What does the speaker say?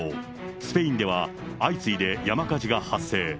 スペインでは、相次いで山火事が発生。